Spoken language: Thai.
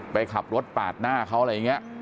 ไปขับรถปาดหน้าเขาอะไรอย่างนี้